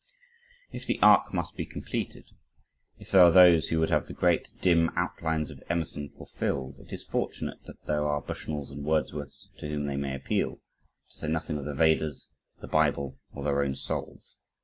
If the arc must be completed if there are those who would have the great, dim outlines of Emerson fulfilled, it is fortunate that there are Bushnells, and Wordsworths, to whom they may appeal to say nothing of the Vedas, the Bible, or their own souls.